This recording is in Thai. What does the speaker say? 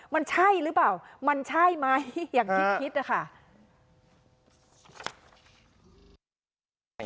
มันใช่หรือเปล่ามันใช่ไหมอย่างที่คิดนะคะ